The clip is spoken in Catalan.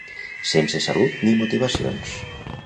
Sense salut ni motivacions.